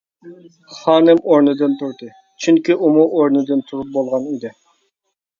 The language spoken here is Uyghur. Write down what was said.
خانىم ئورنىدىن تۇردى، چۈنكى ئۇمۇ ئورنىدىن تۇرۇپ بولغان ئىدى.